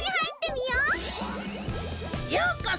ようこそ！